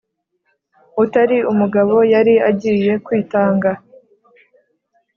utari umugabo yari agiye kwitanga.